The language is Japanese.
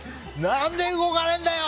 何で動かねえんだよ！